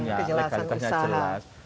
ada jelasan hukumnya kejelasan usaha